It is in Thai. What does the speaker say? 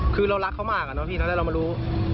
คือเรารักเขามากนะพี่ตั้งแต่เรามารู้